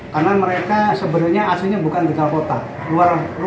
karena mereka sebenarnya aslinya bukan di tegal kota